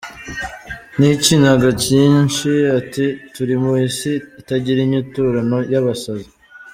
" N’ikiniga cyinshi, ati "Turi mu Isi itagira inyiturano y’abasazi.